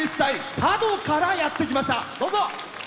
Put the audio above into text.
佐渡からやって来ました。